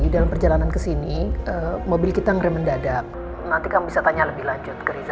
dalam perjalanan ke sini mobil kita ngeremen dadak nanti kamu bisa tanya lebih lanjut kerja